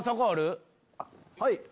はい。